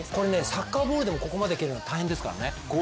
サッカーボールでもここまで蹴るのは大変ですからね。